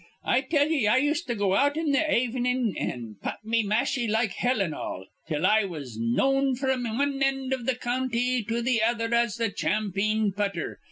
I tell ye I used to go out in th' avenin' an' putt me mashie like hell an' all, till I was knowed fr'm wan end iv th' county to th' other as th' champeen putter.